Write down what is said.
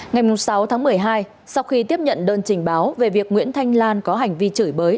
ngày sáu tháng một mươi hai sau khi tiếp nhận đơn trình báo về việc nguyễn thanh lan có hành vi chửi bới